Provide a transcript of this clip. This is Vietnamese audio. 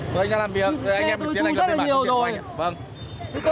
tôi đã làm việc xe tôi thu rất nhiều rồi